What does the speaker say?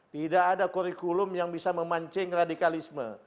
tidak ada kurikulum yang bisa memancing radikalisme